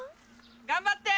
頑張って！